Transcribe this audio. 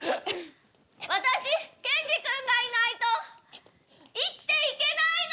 私ケンジ君がいないと生きていけないの！